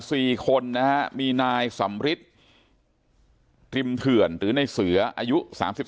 สี่คนนะฮะมีนายสำริทริมเถื่อนหรือในเสืออายุสามสิบ